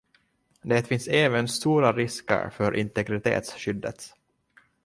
Det finns även stora risker för integritetsskyddet.